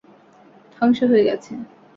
ধ্বংস হয়ে গেছে।